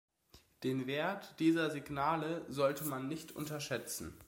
Den Wert dieser Signale sollte man nicht unterschätzen.